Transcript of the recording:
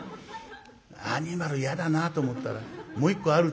アニマル嫌だなと思ったら「もう一個ある」